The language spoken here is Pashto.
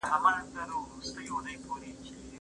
هغه وويل چي کتابونه ګټور دي